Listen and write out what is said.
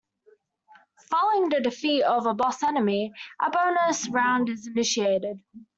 Following the defeat of a boss enemy, a bonus round is initiated.